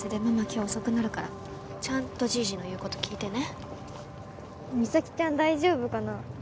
今日遅くなるからちゃんとじいじの言うこと聞いてね実咲ちゃん大丈夫かな？